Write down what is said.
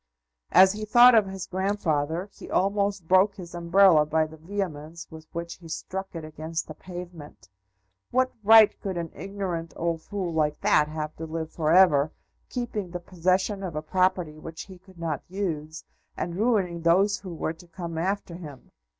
As he thought of his grandfather he almost broke his umbrella by the vehemence with which he struck it against the pavement. What right could an ignorant old fool like that have to live for ever, keeping the possession of a property which he could not use, and ruining those who were to come after him?